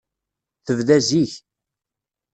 Tebda zik.